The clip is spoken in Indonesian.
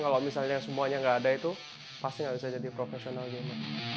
kalau misalnya semuanya gak ada itu pasti gak bisa jadi profesional game